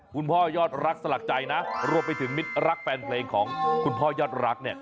ยอดรักสลักใจนะรวมไปถึงมิตรรักแฟนเพลงของคุณพ่อยอดรักเนี่ย